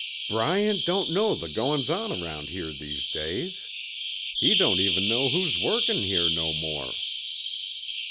"Bryant don't know the goin's on around here these days. He don't even know who's workin' here no more."